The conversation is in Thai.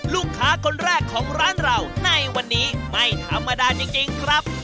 ลูกค้าคนแรกของร้านเราในวันนี้ไม่ธรรมดาจริงครับ